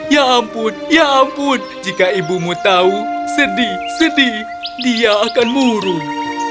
ya ampun ya ampun jika ibumu tahu sedih sedih dia akan murung